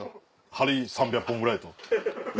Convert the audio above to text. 針３００本ぐらいと。